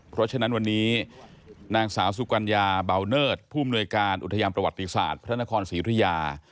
เพราะฉะนั้นวันนี้นางสาวสุกัญญาเบาเนิดผู้อำนวยการอุทยานประวัติศาสตร์พระนครศรีธุยา